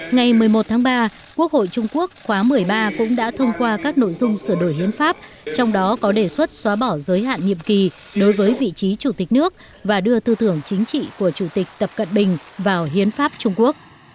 ngày một mươi một tháng ba quốc hội trung quốc khóa một mươi ba cũng đã thông qua các nội dung sửa đổi hiến pháp trong đó có đề xuất xóa bỏ giới hạn nhiệm kỳ đối với vị trí chủ tịch nước và đưa tư tưởng chính trị của chủ tịch tập cận bình vào hiến pháp trung quốc